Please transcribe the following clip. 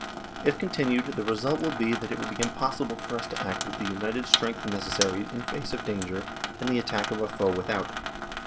If continued, the result will be that it will be impossible for us to act with the united strength necessary in face of danger and the attack of the foe without.